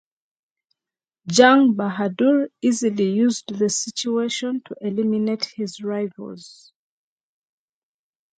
Jang Bahadur easily used the situation to eliminate his rivals.